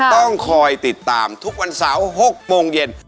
ต้องคอยติดตามทุกวันเสาร์๖โมงเย็น